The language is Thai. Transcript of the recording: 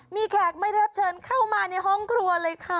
มีแขกไม่ได้รับเชิญเข้ามาในห้องครัวเลยค่ะ